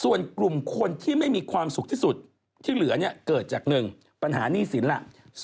ส่วนกลุ่มคนที่ไม่มีความสุขที่สุดที่เหลือเนี่ยเกิดจาก๑ปัญหานี่สินล่ะ